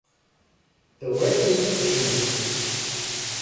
The Wrecking Crew